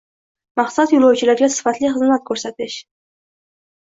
Maqsad yo‘lovchilarga sifatli xizmat ko‘rsatish